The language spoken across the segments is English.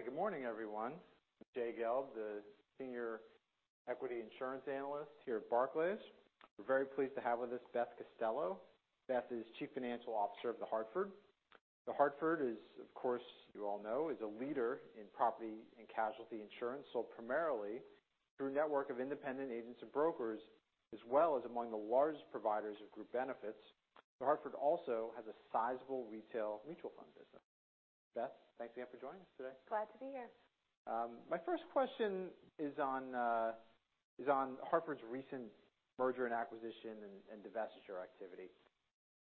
Good morning, everyone. I'm Jay Gelb, the Senior Equity Insurance Analyst here at Barclays. We're very pleased to have with us Beth Costello. Beth is Chief Financial Officer of The Hartford. The Hartford is, of course, you all know, is a leader in property and casualty insurance, sold primarily through a network of independent agents and brokers, as well as among the largest providers of group benefits. The Hartford also has a sizable retail mutual fund business. Beth, thanks again for joining us today. Glad to be here. My first question is on The Hartford's recent M&A and divestiture activity.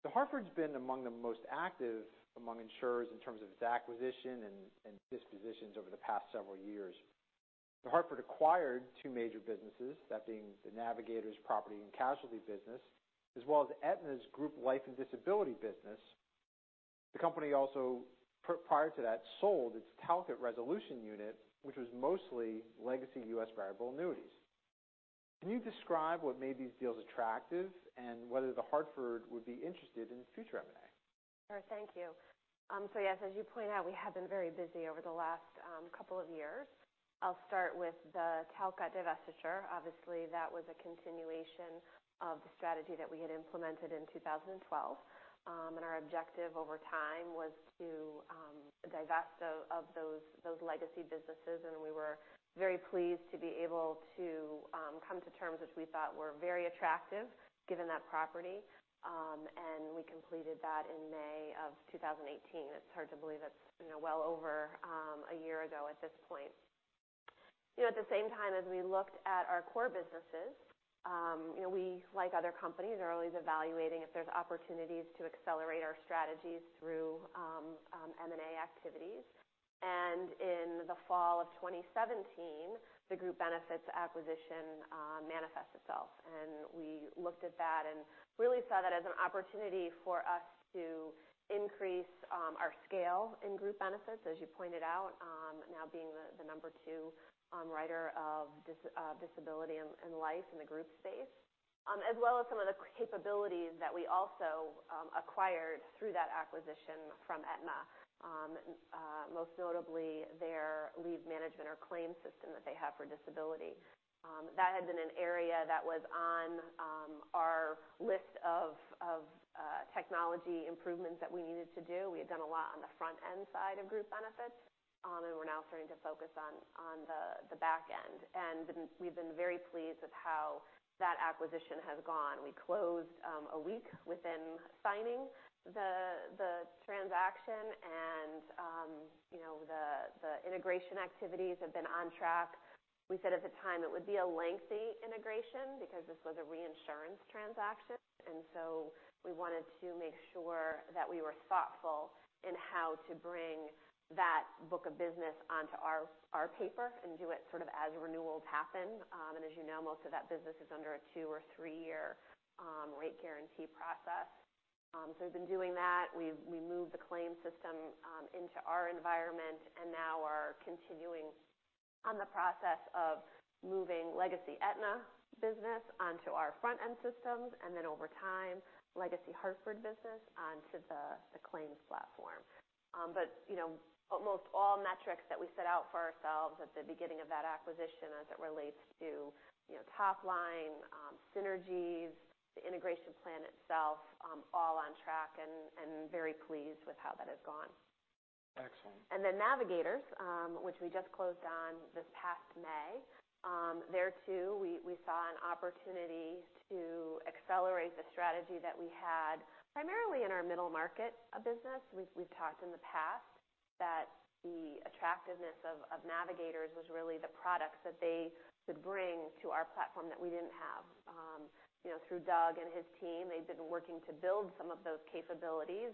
The Hartford's been among the most active among insurers in terms of its acquisition and dispositions over the past several years. The Hartford acquired two major businesses, that being Navigators' property and casualty business, as well as Aetna's group life and disability business. The company also, prior to that, sold its Talcott Resolution unit, which was mostly legacy U.S. variable annuities. Can you describe what made these deals attractive and whether The Hartford would be interested in future M&A? Sure. Thank you. Yes, as you point out, we have been very busy over the last couple of years. I'll start with the Talcott divestiture. Obviously, that was a continuation of the strategy that we had implemented in 2012. Our objective over time was to divest of those legacy businesses, and we were very pleased to be able to come to terms which we thought were very attractive given that property. We completed that in May of 2018. It's hard to believe it's well over a year ago at this point. At the same time, as we looked at our core businesses, we, like other companies, are always evaluating if there's opportunities to accelerate our strategies through M&A activities. In the fall of 2017, the group benefits acquisition manifest itself. We looked at that and really saw that as an opportunity for us to increase our scale in group benefits, as you pointed out, now being the number two writer of disability and life in the group space. As well as some of the capabilities that we also acquired through that acquisition from Aetna. Most notably, their lead management or claim system that they have for disability. That had been an area that was on our list of technology improvements that we needed to do. We had done a lot on the front-end side of group benefits, and we're now starting to focus on the back end. We've been very pleased with how that acquisition has gone. We closed a week within signing the transaction, the integration activities have been on track. We said at the time it would be a lengthy integration because this was a reinsurance transaction. We wanted to make sure that we were thoughtful in how to bring that book of business onto our paper and do it sort of as renewals happen. As you know, most of that business is under a two or three-year rate guarantee process. We've been doing that. We moved the claim system into our environment and now are continuing on the process of moving legacy Aetna business onto our front-end systems, over time, legacy Hartford business onto the claims platform. Most all metrics that we set out for ourselves at the beginning of that acquisition as it relates to top line synergies, the integration plan itself, all on track and very pleased with how that has gone. Excellent. Navigators, which we just closed on this past May. There, too, we saw an opportunity to accelerate the strategy that we had primarily in our middle market business. We've talked in the past that the attractiveness of Navigators was really the products that they could bring to our platform that we didn't have. Through Doug and his team, they've been working to build some of those capabilities.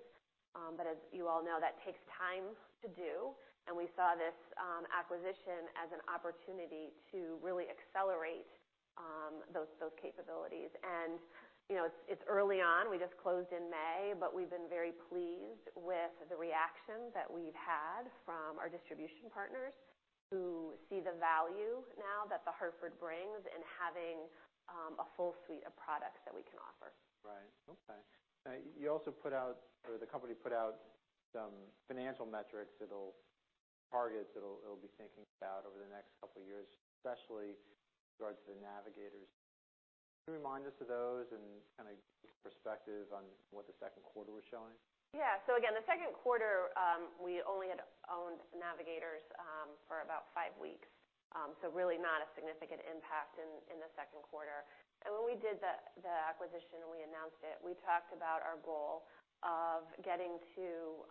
As you all know, that takes time to do, we saw this acquisition as an opportunity to really accelerate those capabilities. It's early on. We just closed in May, we've been very pleased with the reaction that we've had from our distribution partners who see the value now that The Hartford brings in having a full suite of products that we can offer. Right. Okay. You also put out, or the company put out some financial metrics, targets that it'll be thinking about over the next couple of years, especially in regards to Navigators. Can you remind us of those and kind of give perspective on what the second quarter was showing? Again, the second quarter, we only had owned Navigators for about five weeks. Really not a significant impact in the second quarter. When we did the acquisition and we announced it, we talked about our goal of getting to,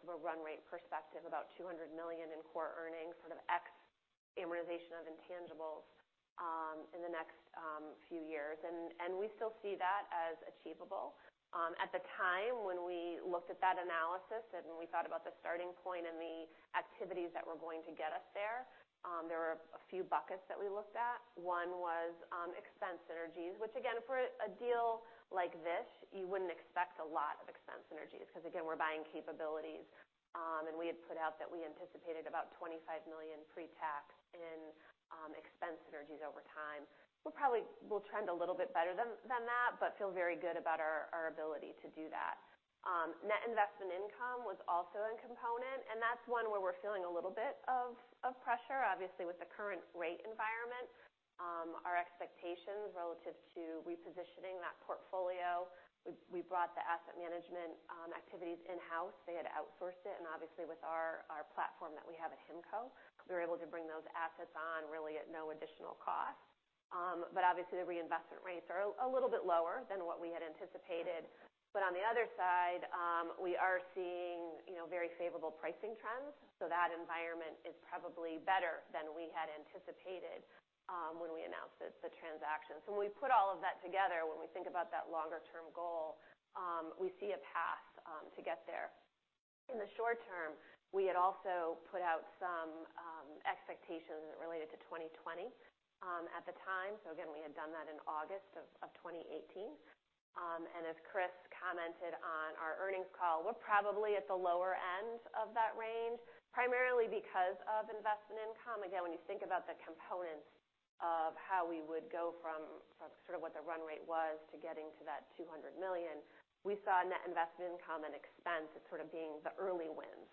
from a run rate perspective, about $200 million in core earnings, sort of ex amortization of intangibles in the next few years. We still see that as achievable. At the time when we looked at that analysis and when we thought about the starting point and the activities that were going to get us there were a few buckets that we looked at. One was expense synergies, which again, for a deal like this, you wouldn't expect a lot of expense synergies because again, we're buying capabilities. We had put out that we anticipated about $25 million pre-tax in expense synergies over time. We probably will trend a little bit better than that, but feel very good about our ability to do that. Net investment income was also a component, and that's one where we're feeling a little bit of pressure. Obviously, with the current rate environment, our expectations relative to repositioning that portfolio, we brought the asset management activities in-house. They had outsourced it, and obviously with our platform that we have at HIMCO, we were able to bring those assets on really at no additional cost. Obviously the reinvestment rates are a little bit lower than what we had anticipated. On the other side, we are seeing very favorable pricing trends, that environment is probably better than we had anticipated when we announced the transaction. When we put all of that together, when we think about that longer-term goal, we see a path to get there. In the short term, we had also put out some expectations related to 2020 at the time. Again, we had done that in August of 2018. As Chris commented on our earnings call, we're probably at the lower end of that range, primarily because of investment income. Again, when you think about the components of how we would go from what the run rate was to getting to that $200 million, we saw net investment income and expense as sort of being the early wins.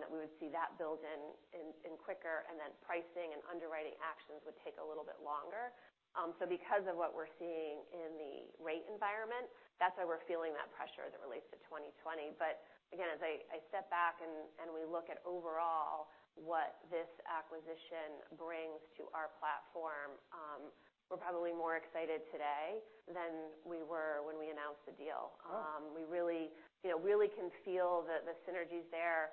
That we would see that build in quicker, and then pricing and underwriting actions would take a little bit longer. Because of what we're seeing in the rate environment, that's why we're feeling that pressure as it relates to 2020. Again, as I step back and we look at overall what this acquisition brings to our platform, we're probably more excited today than we were when we announced the deal. Huh. We really can feel the synergies there.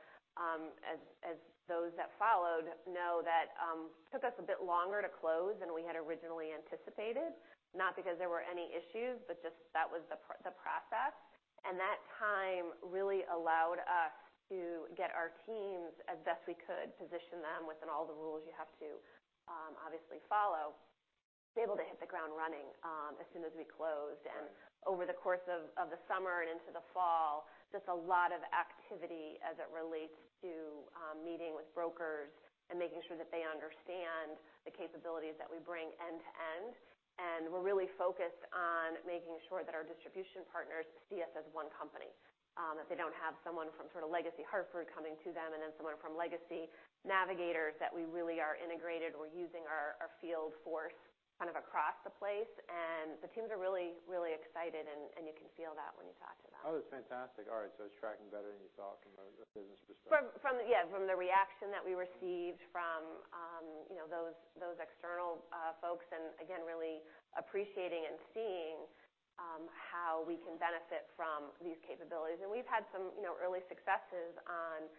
As those that followed know that it took us a bit longer to close than we had originally anticipated. Not because there were any issues, but just that was the process. That time really allowed us to get our teams as best we could, position them within all the rules you have to obviously follow, to be able to hit the ground running as soon as we closed. Right. Over the course of the summer and into the fall, just a lot of activity as it relates to meeting with brokers and making sure that they understand the capabilities that we bring end to end. We're really focused on making sure that our distribution partners see us as one company. That they don't have someone from legacy The Hartford coming to them and then someone from legacy Navigators, that we really are integrated. We're using our field force across the place, the teams are really excited, and you can feel that when you talk to them. Oh, that's fantastic. All right, it's tracking better than you thought from a business perspective. Yeah, from the reaction that we received from those external folks, again, really appreciating and seeing how we can benefit from these capabilities. We've had some early successes on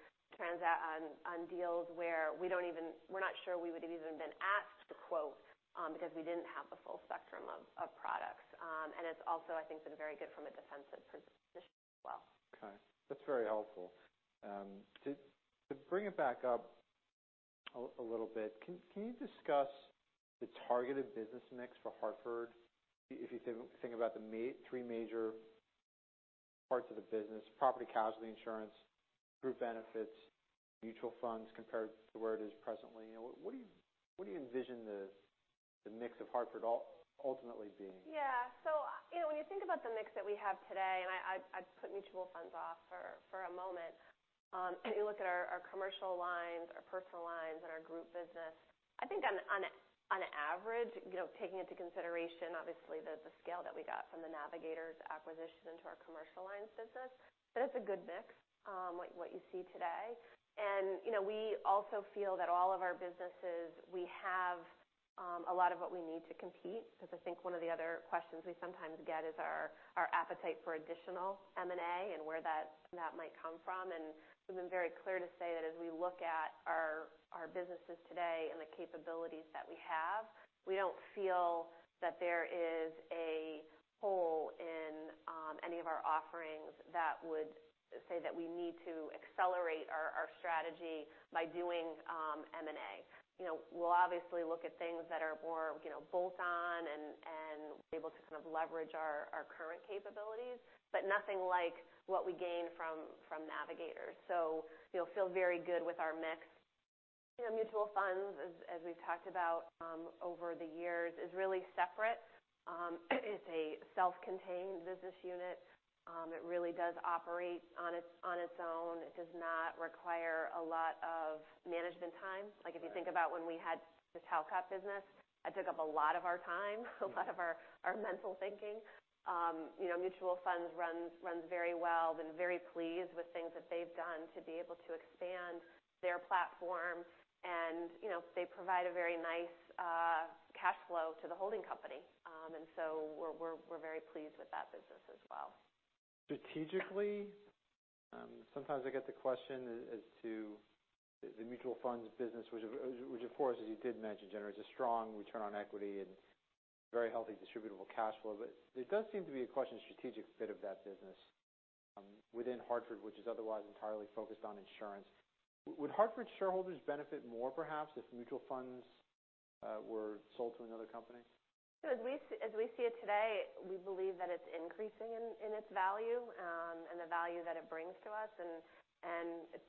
deals where we're not sure we would have even been asked to quote, because we didn't have the full spectrum of products. It's also, I think, been very good from a defensive position as well. Okay. That's very helpful. To bring it back up a little bit, can you discuss the targeted business mix for Hartford? If you think about the three major parts of the business, property casualty insurance, group benefits, mutual funds, compared to where it is presently, what do you envision the mix of Hartford ultimately being? Yeah. When you think about the mix that we have today, I put mutual funds off for a moment. When you look at our commercial lines, our personal lines, and our group business, I think on average, taking into consideration obviously the scale that we got from the Navigators acquisition to our commercial lines business, that it's a good mix, what you see today. We also feel that all of our businesses, we have a lot of what we need to compete, because I think one of the other questions we sometimes get is our appetite for additional M&A and where that might come from. We've been very clear to say that as we look at our businesses today and the capabilities that we have, we don't feel that there is a hole in any of our offerings that would say that we need to accelerate our strategy by doing M&A. We'll obviously look at things that are more bolt-on and able to leverage our current capabilities, but nothing like what we gained from Navigators. We feel very good with our mix. Mutual funds, as we've talked about over the years, is really separate. It's a self-contained business unit. It really does operate on its own. It does not require a lot of management time. Right. If you think about when we had the Talcott business, that took up a lot of our time, a lot of our mental thinking. Mutual funds runs very well. Been very pleased with things that they've done to be able to expand their platform, and they provide a very nice cash flow to the holding company. We're very pleased with that business as well. Strategically, sometimes I get the question as to the mutual funds business, which of course, as you did mention, generates a strong return on equity and very healthy distributable cash flow. There does seem to be a question of strategic fit of that business within Hartford, which is otherwise entirely focused on insurance. Would Hartford shareholders benefit more perhaps if mutual funds were sold to another company? As we see it today, we believe that it's increasing in its value, and the value that it brings to us.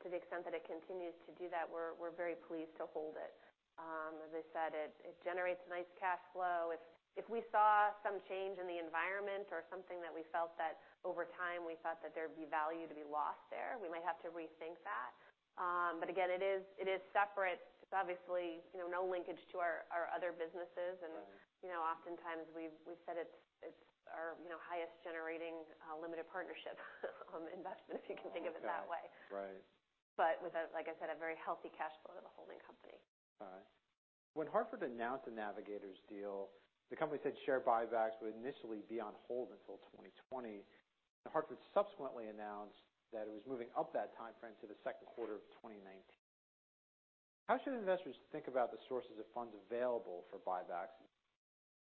To the extent that it continues to do that, we're very pleased to hold it. As I said, it generates a nice cash flow. If we saw some change in the environment or something that we felt that over time we thought that there'd be value to be lost there, we might have to rethink that. Again, it is separate. It's obviously no linkage to our other businesses. Right. Oftentimes we've said it's our highest generating limited partnership investment, if you can think of it that way. Okay. Right. With, like I said, a very healthy cash flow to the holding company. All right. When Hartford announced the Navigators deal, the company said share buybacks would initially be on hold until 2020. Hartford subsequently announced that it was moving up that timeframe to the second quarter of 2019. How should investors think about the sources of funds available for buybacks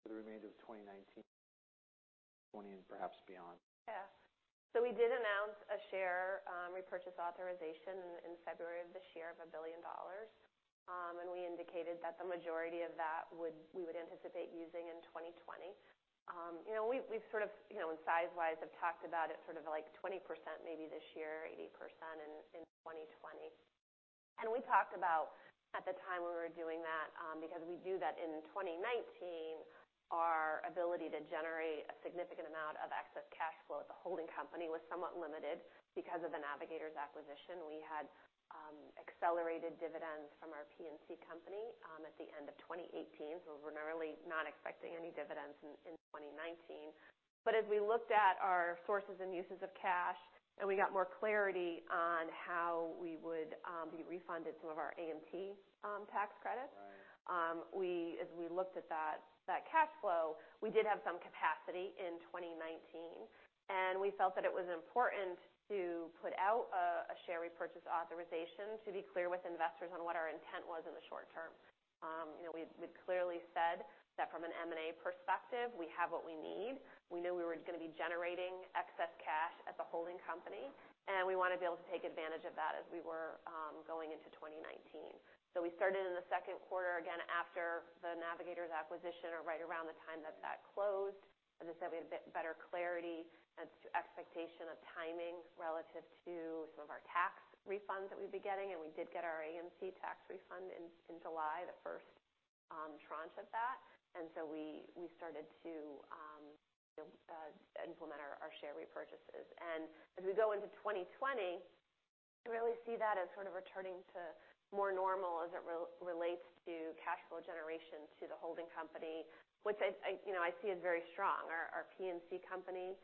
for the remainder of 2019, 2020, and perhaps beyond? Yeah. We did announce a share repurchase authorization in February of this year of $1 billion. We indicated that the majority of that we would anticipate using in 2020. We've sort of, size-wise, have talked about it sort of like 20% maybe this year, 80% in 2020. We talked about, at the time when we were doing that, because we knew that in 2019, our ability to generate a significant amount of excess cash flow at the holding company was somewhat limited because of the Navigators acquisition. We had accelerated dividends from our P&C company at the end of 2018, so we're really not expecting any dividends in 2019. As we looked at our sources and uses of cash, we got more clarity on how we would be refunded some of our AMT tax credits- Right As we looked at that cash flow, we did have some capacity in 2019. We felt that it was important to put out a share repurchase authorization to be clear with investors on what our intent was in the short term. We'd clearly said that from an M&A perspective, we have what we need. We knew we were going to be generating excess cash at the holding company, and we wanted to be able to take advantage of that as we were going into 2019. We started in the second quarter again after the Navigators acquisition, or right around the time that that closed. As I said, we had a bit better clarity as to expectation of timing relative to some of our tax refunds that we'd be getting, and we did get our AMT tax refund in July, the first tranche of that. We started to implement our share repurchases. As we go into 2020, I really see that as sort of returning to more normal as it relates to cash flow generation to the holding company, which I see as very strong. Our P&C company,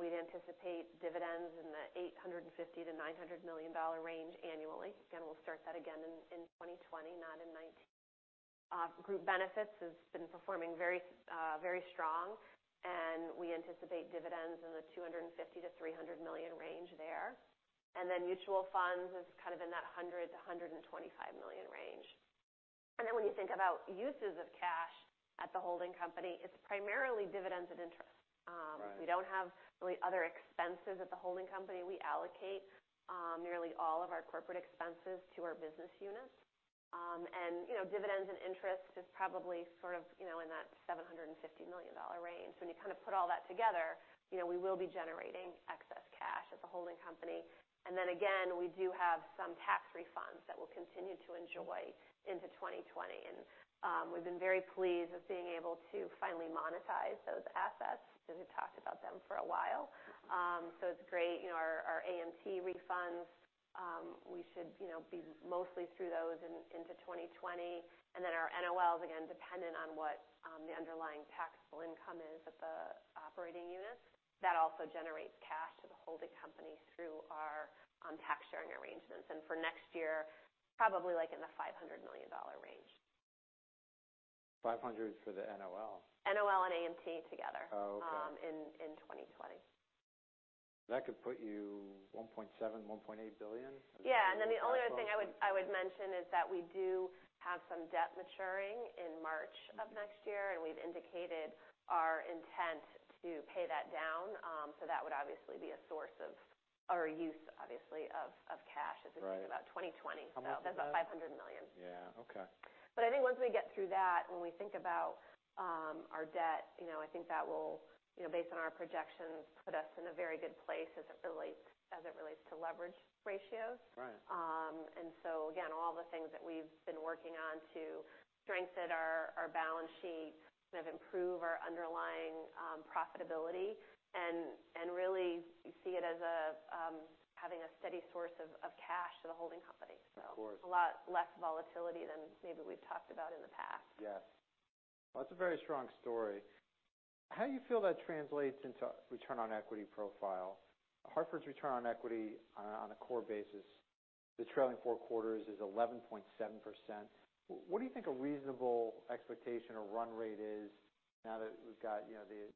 we'd anticipate dividends in the $850 million-$900 million range annually. Again, we'll start that again in 2020, not in 2019. Group benefits have been performing very strong, and we anticipate dividends in the $250 million-$300 million range there. Mutual funds are kind of in that $100 million-$125 million range. When you think about uses of cash at the holding company, it's primarily dividends and interest. Right. We don't have really other expenses at the holding company. We allocate nearly all of our corporate expenses to our business units. Dividends and interest is probably sort of in that $750 million range. When you kind of put all that together, we will be generating excess cash at the holding company. We do have some tax refunds that we'll continue to enjoy into 2020. We've been very pleased with being able to finally monetize those assets because we've talked about them for a while. It's great. Our AMT refunds, we should be mostly through those into 2020. Our NOLs, again, dependent on what the underlying taxable income is at the operating units. That also generates cash to the holding company through our tax-sharing arrangements. For next year, probably like in the $500 million range. $500 for the NOL? NOL and AMT together. Oh, okay in 2020. That could put you $1.7 billion, $1.8 billion. Yeah. The only other thing I would mention is that we do have some debt maturing in March of next year, and we've indicated our intent to pay that down. That would obviously be a use of cash as we think about 2020. How much is that? That's about $100 million. Yeah. Okay. I think once we get through that, when we think about our debt, I think that will, based on our projections, put us in a very good place as it relates to leverage ratios. Right. Again, all the things that we've been working on to strengthen our balance sheet, sort of improve our underlying profitability, and really see it as having a steady source of cash to the holding company. Of course. A lot less volatility than maybe we've talked about in the past. Yes. Well, that's a very strong story. How do you feel that translates into return on equity profile? Hartford's return on equity on a core basis, the trailing four quarters is 11.7%. What do you think a reasonable expectation or run rate is now that we've got the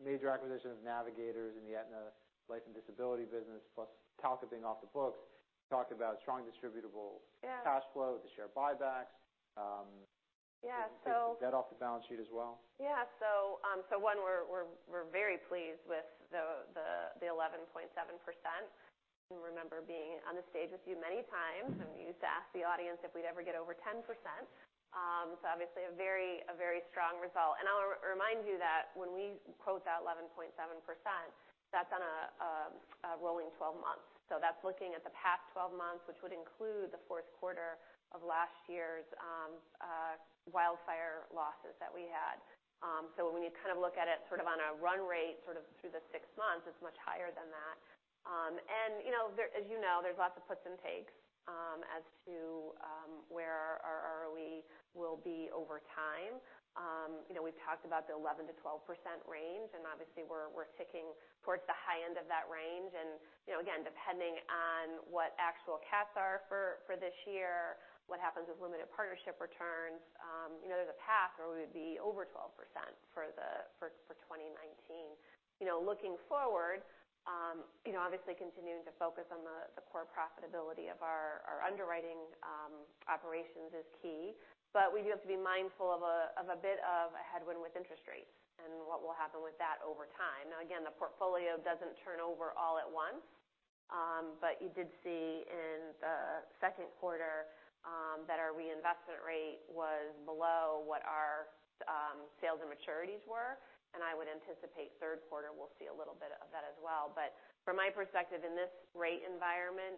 major acquisition of Navigators and the Aetna life and disability business, plus Talcott being off the books? You talked about strong distributable- Yeah cash flow with the share buybacks. Yeah. Take the debt off the balance sheet as well. Yeah. One, we're very pleased with the 11.7%. I remember being on the stage with you many times, we used to ask the audience if we'd ever get over 10%. Obviously a very strong result. I'll remind you that when we quote that 11.7%, that's on a rolling 12 months. That's looking at the past 12 months, which would include the fourth quarter of last year's wildfire losses that we had. When you look at it on a run rate through the six months, it's much higher than that. As you know, there's lots of puts and takes as to where our ROE will be over time. We've talked about the 11%-12% range, obviously we're ticking towards the high end of that range. Again, depending on what actual cats are for this year, what happens with limited partnership returns. There's a path where we would be over 12% for 2019. Looking forward, obviously continuing to focus on the core profitability of our underwriting operations is key. We do have to be mindful of a bit of a headwind with interest rates and what will happen with that over time. Again, the portfolio doesn't turn over all at once. You did see in the second quarter that our reinvestment rate was below what our sales and maturities were. I would anticipate third quarter we'll see a little bit of that as well. From my perspective, in this rate environment,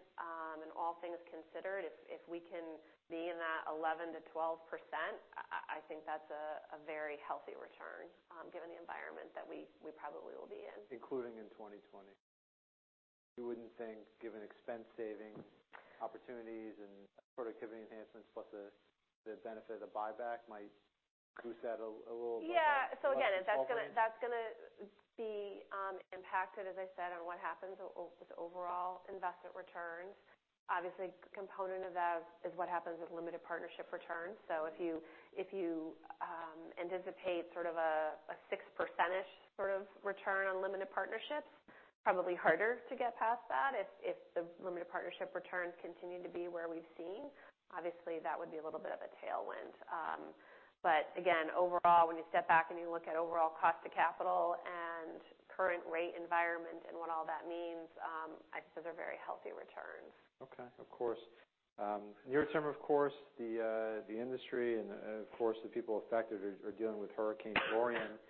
and all things considered, if we can be in that 11%-12%, I think that's a very healthy return given the environment that we probably will be in. Including in 2020. You wouldn't think, given expense saving opportunities and productivity enhancements plus the benefit of the buyback might boost that a little bit. Yeah. Again, that's going to be impacted, as I said, on what happens with overall investment returns. Obviously, a component of that is what happens with limited partnership returns. If you anticipate a 6% return on limited partnerships, probably harder to get past that. If the limited partnership returns continue to be where we've seen, obviously that would be a little bit of a tailwind. Again, overall, when you step back and you look at overall cost of capital and current rate environment and what all that means, I'd say they're very healthy returns. Okay. Of course. Near term, of course, the industry and, of course, the people affected are dealing with Hurricane Dorian.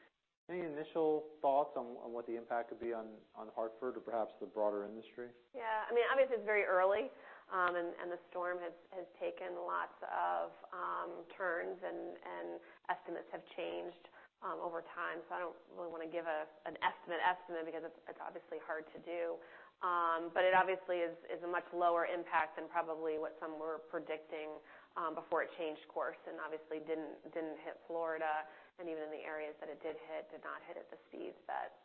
Any initial thoughts on what the impact could be on Hartford or perhaps the broader industry? Yeah. Obviously it's very early, the storm has taken lots of turns and estimates have changed over time. I don't really want to give an estimate because it's obviously hard to do. It obviously is a much lower impact than probably what some were predicting before it changed course and obviously didn't hit Florida, and even in the areas that it did hit, did not hit at the speeds that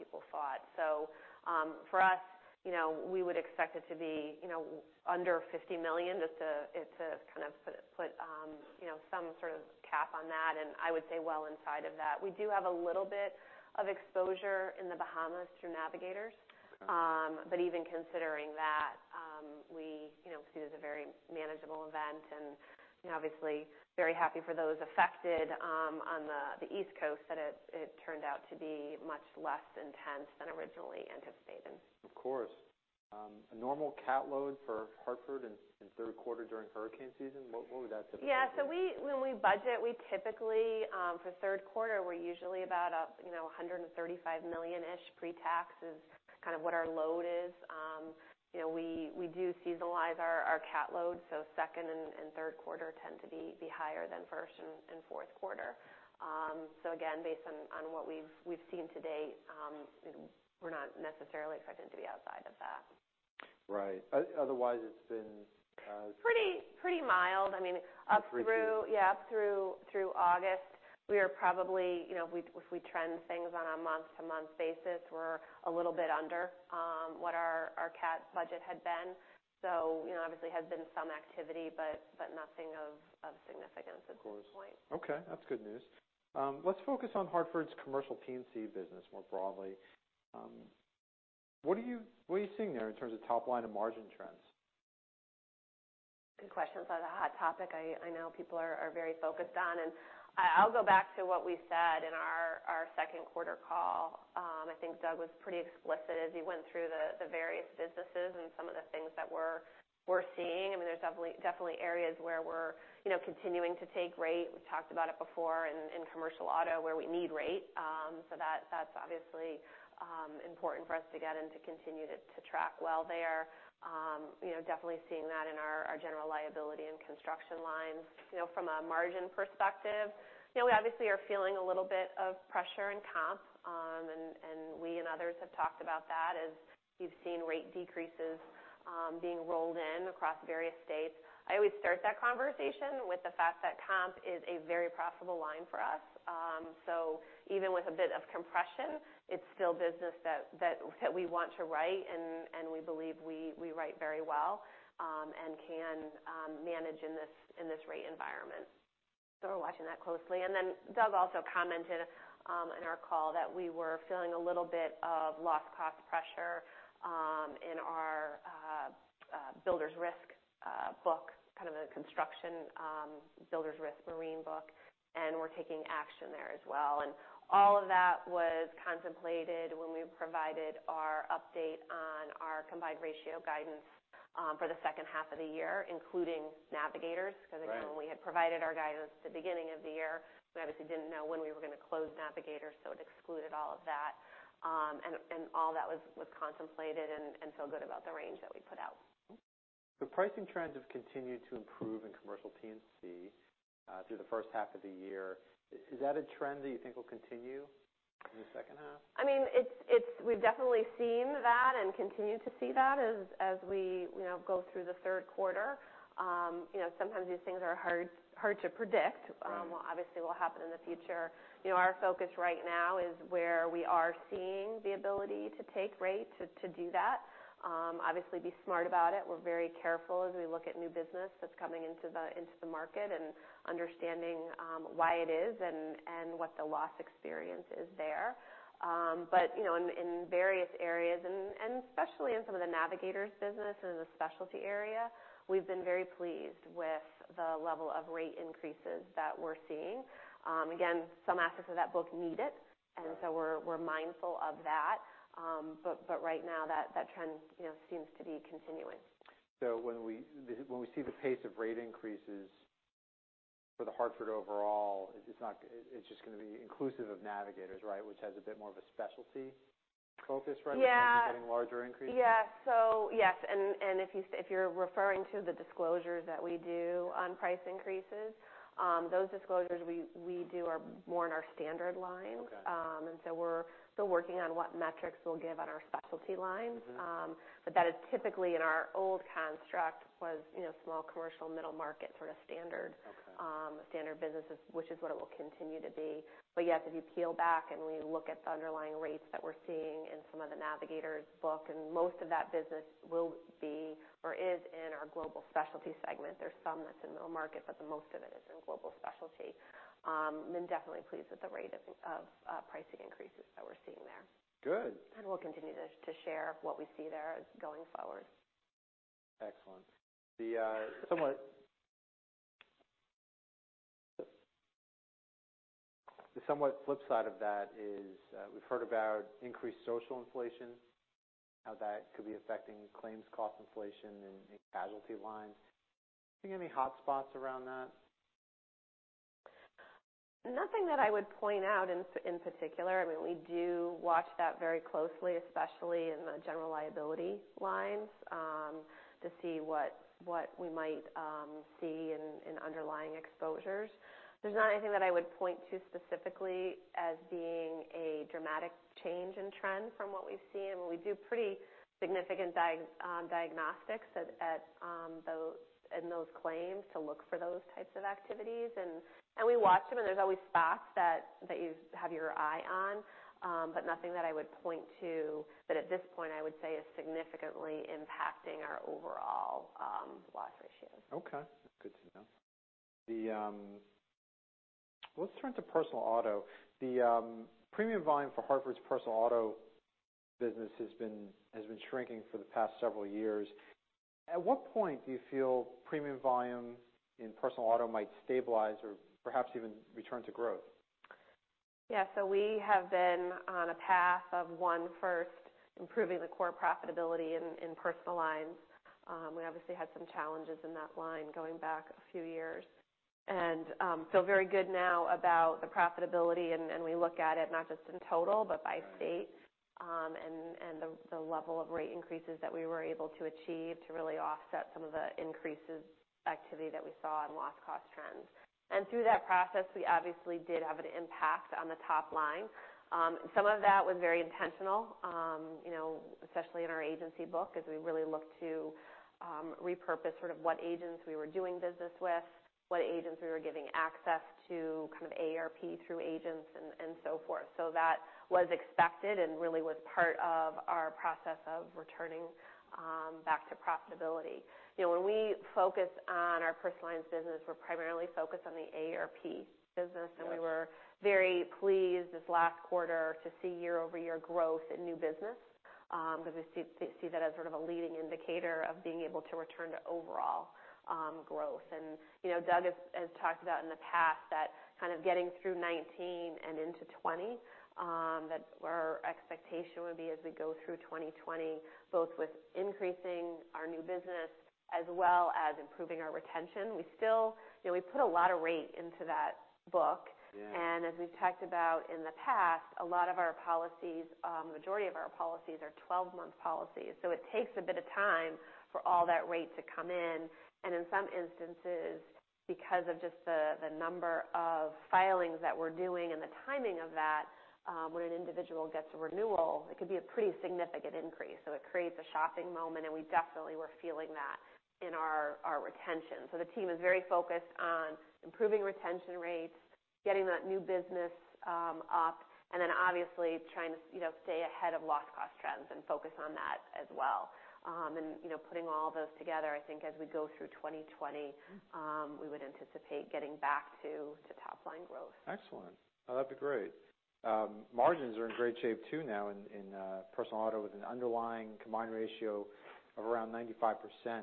people thought. For us, we would expect it to be under $50 million, just to put some sort of cap on that, and I would say well inside of that. We do have a little bit of exposure in the Bahamas through Navigators. Okay. Even considering that, we see it as a very manageable event, and obviously very happy for those affected on the East Coast that it turned out to be much less intense than originally anticipated. Of course. A normal cat load for Hartford in third quarter during hurricane season, what would that typically be? Yeah. When we budget, we typically, for third quarter, we're usually about $135 million-ish pre-tax is kind of what our load is. We do seasonalize our cat load, second and third quarter tend to be higher than first and fourth quarter. Again, based on what we've seen to date, we're not necessarily expecting to be outside of that. Right. Otherwise, it's been. Pretty mild. Up through. Pretty easy. Yeah, up through August, we are probably, if we trend things on a month-to-month basis, we're a little bit under what our cat budget had been. Obviously has been some activity, but nothing of significance at this point. Of course. Okay. That's good news. Let's focus on The Hartford's commercial P&C business more broadly. What are you seeing there in terms of top line and margin trends? Good question. It's a hot topic I know people are very focused on. I'll go back to what we said in our second quarter call. I think Doug was pretty explicit as he went through the various businesses and some of the things that we're seeing. There are definitely areas where we're continuing to take rate. We've talked about it before in commercial auto where we need rate. That's obviously important for us to get and to continue to track well there. Definitely seeing that in our general liability and construction lines. From a margin perspective, we obviously are feeling a little bit of pressure in comp, we and others have talked about that as you've seen rate decreases being rolled in across various states. I always start that conversation with the fact that comp is a very profitable line for us. Even with a bit of compression, it's still business that we want to write and we believe we write very well and can manage in this rate environment. We're watching that closely. Then Doug also commented on our call that we were feeling a little bit of loss cost pressure in our Builder's risk book, kind of a construction Builder's risk marine book, we're taking action there as well. All of that was contemplated when we provided our update on our combined ratio guidance for the second half of the year, including Navigators. Right. Because when we had provided our guidance at the beginning of the year, we obviously didn't know when we were going to close Navigators, it excluded all of that. All that was contemplated and feel good about the range that we put out. The pricing trends have continued to improve in commercial P&C through the first half of the year. Is that a trend that you think will continue in the second half? We've definitely seen that and continue to see that as we go through the third quarter. Sometimes these things are hard to predict. Right Obviously will happen in the future. Our focus right now is where we are seeing the ability to take rate to do that. Obviously, be smart about it. We're very careful as we look at new business that's coming into the market and understanding why it is and what the loss experience is there. In various areas, and especially in some of the Navigators business and in the specialty area, we've been very pleased with the level of rate increases that we're seeing. Again, some aspects of that book need it. Right. We're mindful of that. Right now, that trend seems to be continuing. When we see the pace of rate increases for The Hartford overall, it's just going to be inclusive of Navigators, right? Which has a bit more of a specialty focus right now- Yeah getting larger increases. Yes. If you're referring to the disclosures that we do on price increases, those disclosures we do are more in our standard lines. Okay. We're still working on what metrics we'll give on our specialty lines. That is typically in our old construct was small commercial, middle market. Okay Standard businesses, which is what it will continue to be. Yes, if you peel back, we look at the underlying rates that we're seeing in some of the Navigators book. Most of that business will be or is in our global specialty segment. There's some that's in middle market. The most of it is in global specialty. I'm definitely pleased with the rate of pricing increases that we're seeing there. Good. We'll continue to share what we see there going forward. Excellent. The somewhat flip side of that is, we've heard about increased social inflation, how that could be affecting claims cost inflation in casualty lines. Do you see any hotspots around that? Nothing that I would point out in particular. We do watch that very closely, especially in the general liability lines, to see what we might see in underlying exposures. There's not anything that I would point to specifically as being a dramatic change in trend from what we've seen. We do pretty significant diagnostics in those claims to look for those types of activities. We watch them, and there's always spots that you have your eye on. Nothing that I would point to that at this point I would say is significantly impacting our overall loss ratio. Okay. Good to know. Let's turn to personal auto. The premium volume for Hartford's personal auto business has been shrinking for the past several years. At what point do you feel premium volume in personal auto might stabilize or perhaps even return to growth? Yeah. We have been on a path of, one, first improving the core profitability in personal lines. We obviously had some challenges in that line going back a few years. Feel very good now about the profitability, and we look at it not just in total, but by state. Right. The level of rate increases that we were able to achieve to really offset some of the increases activity that we saw in loss cost trends. Through that process, we obviously did have an impact on the top line. Some of that was very intentional, especially in our agency book, as we really looked to repurpose sort of what agents we were doing business with, what agents we were giving access to kind of AARP through agents and so forth. That was expected and really was part of our process of returning back to profitability. When we focus on our personal lines business, we're primarily focused on the AARP business. Yes. We were very pleased this last quarter to see year-over-year growth in new business, because we see that as sort of a leading indicator of being able to return to overall growth. Doug has talked about in the past that kind of getting through 2019 and into 2020, that our expectation would be as we go through 2020, both with increasing our new business as well as improving our retention. We put a lot of weight into that book. Yeah. As we've talked about in the past, a lot of our policies, majority of our policies are 12-month policies. It takes a bit of time for all that rate to come in. In some instances, because of just the number of filings that we're doing and the timing of that, when an individual gets a renewal, it could be a pretty significant increase. It creates a shopping moment, and we definitely were feeling that in our retention. The team is very focused on improving retention rates, getting that new business up, and then obviously trying to stay ahead of loss cost trends and focus on that as well. Putting all those together, I think as we go through 2020, we would anticipate getting back to top line growth. Excellent. That'd be great. Margins are in great shape too now in personal auto with an underlying combined ratio of around 95%.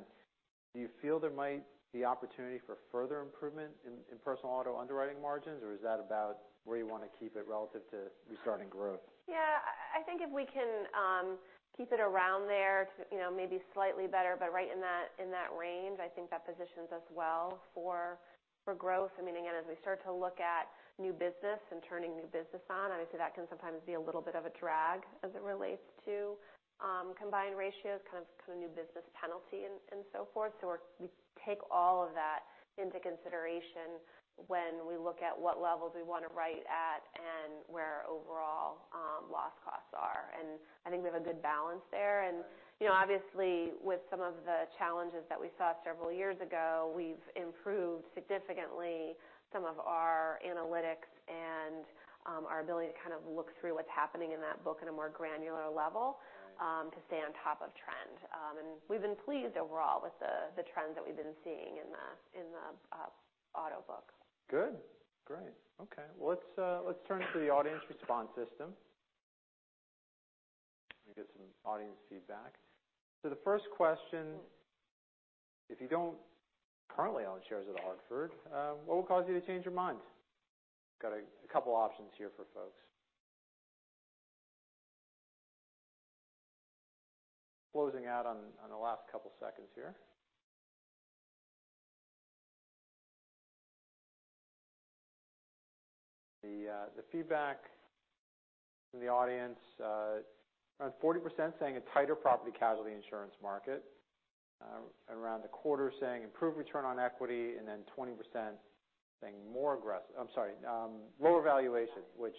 Do you feel there might be opportunity for further improvement in personal auto underwriting margins, or is that about where you want to keep it relative to restarting growth? Yeah. I think if we can keep it around there, maybe slightly better, but right in that range, I think that positions us well for growth. Again, as we start to look at new business and turning new business on, obviously that can sometimes be a little bit of a drag as it relates to combined ratios, kind of new business penalty and so forth. We take all of that into consideration when we look at what levels we want to write at and where overall loss costs are. I think we have a good balance there. Right. Obviously with some of the challenges that we saw several years ago, we've improved significantly some of our analytics and our ability to look through what's happening in that book at a more granular level. Right To stay on top of trend. We've been pleased overall with the trends that we've been seeing in the auto book. Good. Great. Okay. Well, let's turn to the audience response system. Let me get some audience feedback. The first question, if you don't currently own shares of The Hartford, what would cause you to change your mind? Got a couple options here for folks. Closing out on the last couple seconds here. The feedback from the audience, around 40% saying a tighter property casualty insurance market, around a quarter saying improved return on equity, and 20% saying I'm sorry, lower valuation, which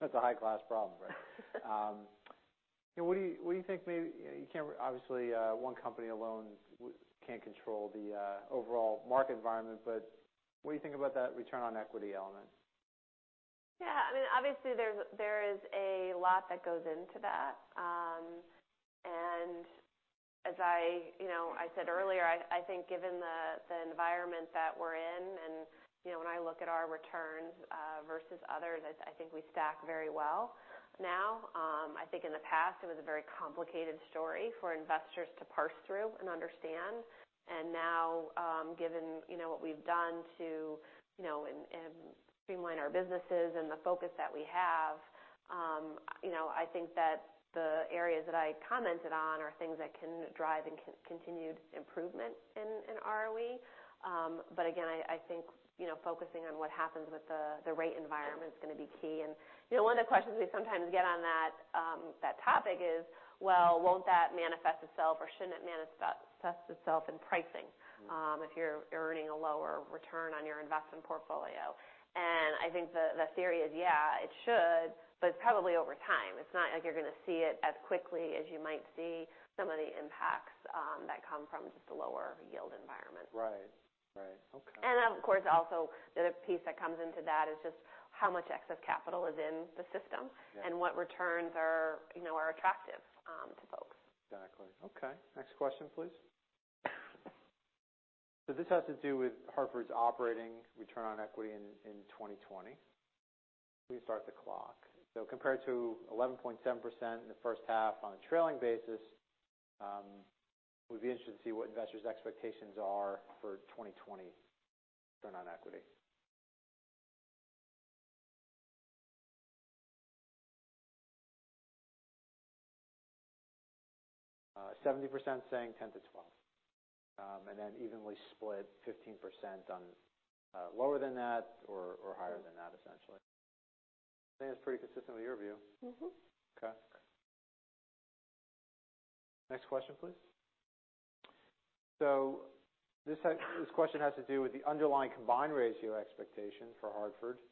that's a high-class problem, right? What do you think? Obviously, one company alone can't control the overall market environment, but what do you think about that return on equity element? Yeah. Obviously, there is a lot that goes into that. As I said earlier, I think given the environment that we're in, when I look at our returns versus others, I think we stack very well now. I think in the past, it was a very complicated story for investors to parse through and understand. Now, given what we've done to streamline our businesses and the focus that we have, I think that the areas that I commented on are things that can drive continued improvement in ROE. Again, I think focusing on what happens with the rate environment is going to be key. One of the questions we sometimes get on that topic is, well, won't that manifest itself, or shouldn't it manifest itself in pricing if you're earning a lower return on your investment portfolio? I think the theory is, yeah, it should, but it's probably over time. It's not like you're going to see it as quickly as you might see some of the impacts that come from just a lower yield environment. Right. Okay. Of course, also, the other piece that comes into that is just how much excess capital is in the system. Yeah. What returns are attractive to folks. Exactly. Okay. Next question, please. This has to do with Hartford's operating return on equity in 2020. Please start the clock. Compared to 11.7% in the first half on a trailing basis, we'd be interested to see what investors' expectations are for 2020 return on equity. 70% saying 10%-12%. Then evenly split 15% on lower than that or higher than that, essentially. I think that's pretty consistent with your view. Okay. Next question, please. This question has to do with the underlying combined ratio expectation for Hartford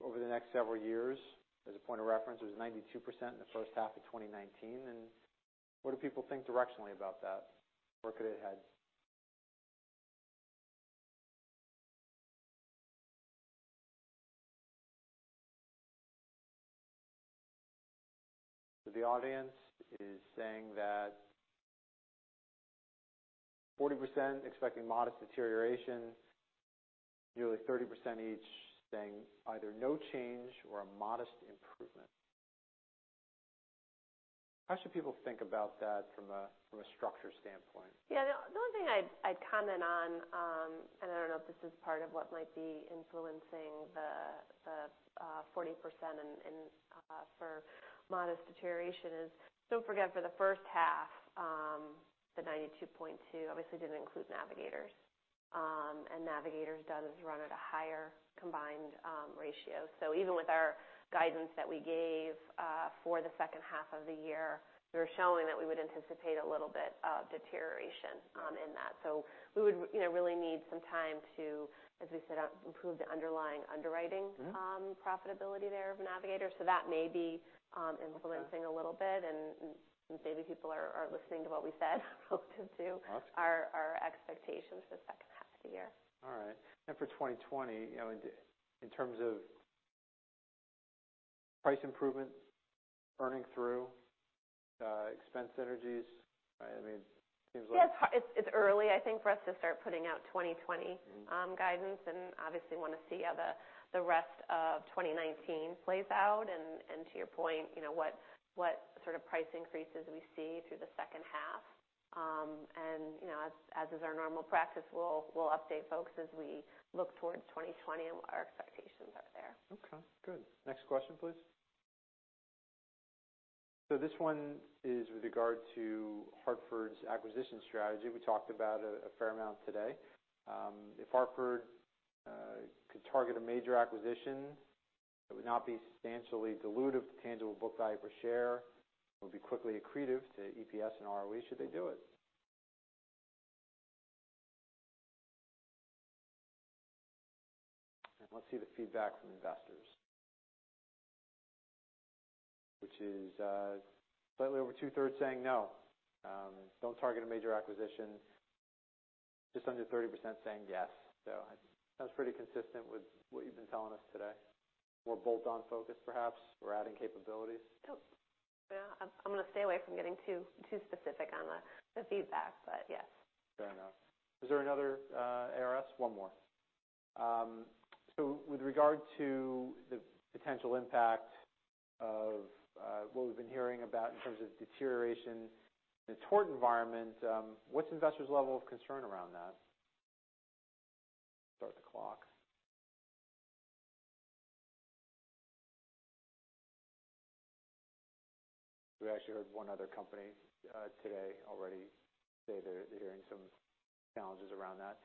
over the next several years. As a point of reference, it was 92% in the first half of 2019. What do people think directionally about that? Where could it head? The audience is saying that 40% expecting modest deterioration, nearly 30% each saying either no change or a modest improvement. How should people think about that from a structure standpoint? The only thing I'd comment on, and I don't know if this is part of what might be influencing the 40% for modest deterioration is, don't forget for the first half, the 92.20% obviously didn't include Navigators. Navigators do run at a higher combined ratio. Even with our guidance that we gave for the second half of the year, we were showing that we would anticipate a little bit of deterioration in that. We would really need some time to, as we said, improve the underlying underwriting profitability there of Navigators. That may be influencing a little bit, and maybe people are listening to what we said. Okay. Our expectations for the second half of the year. All right. For 2020, in terms of price improvement, earning through, expense synergies, it seems like. Yeah. It's early, I think, for us to start putting out 2020 guidance. Obviously want to see how the rest of 2019 plays out. To your point, what sort of price increases we see through the second half. As is our normal practice, we'll update folks as we look towards 2020 and what our expectations are there. Okay, good. Next question please. This one is with regard to The Hartford's acquisition strategy. We talked about a fair amount today. If The Hartford could target a major acquisition that would not be substantially dilutive to tangible book value per share, it would be quickly accretive to EPS and ROE should they do it. Let's see the feedback from investors, which is slightly over two-thirds saying no, don't target a major acquisition. Just under 30% saying yes. That's pretty consistent with what you've been telling us today. More bolt-on focus perhaps, or adding capabilities. Yeah. I'm going to stay away from getting too specific on the feedback, but yes. Fair enough. Is there another ARS? One more. With regard to the potential impact of what we've been hearing about in terms of deterioration in the tort environment, what's investors' level of concern around that? Start the clock. We actually heard one other company today already say they're hearing some challenges around that.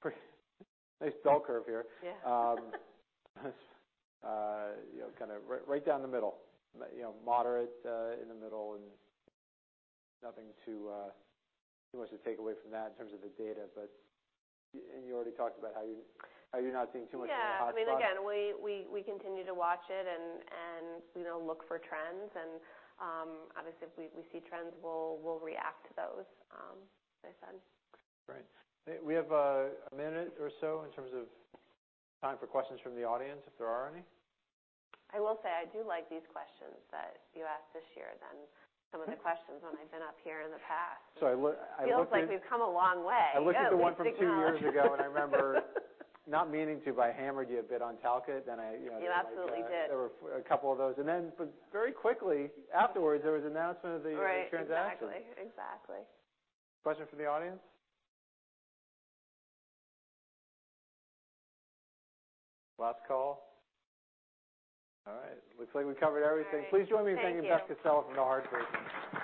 Pretty nice bell curve here. Yeah. Kind of right down the middle. Moderate, in the middle, nothing too much to take away from that in terms of the data, but you already talked about how you're not seeing too much of a hotspot. Yeah. Again, we continue to watch it and look for trends, obviously, if we see trends, we'll react to those, as I said. Great. We have a minute or so in terms of time for questions from the audience, if there are any. I will say, I do like these questions that you asked this year than some of the questions when I've been up here in the past. I look- Feels like we've come a long way. Good. We've acknowledged. I looked at the one from two years ago, and I remember not meaning to, but I hammered you a bit on Talcott. You absolutely did. There were a couple of those. Very quickly afterwards, there was an announcement of the transaction. Right. Exactly. Question from the audience? Last call. All right. Looks like we've covered everything. All right. Thank you. Please join me in thanking Beth Costello from The Hartford.